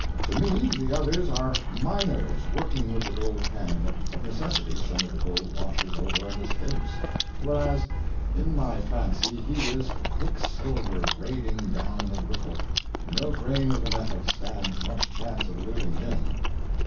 To me, the others are miners working with the gold pan—of necessity some of the gold washes over and escapes; whereas, in my fancy, he is quicksilver raiding down a riffle—no grain of the metal stands much chance of eluding him.